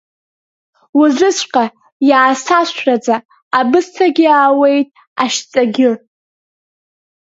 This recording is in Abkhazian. Уажәыҵәҟьа иаасашәраӡа абысҭагьы аауеит, ажьҵаагьы…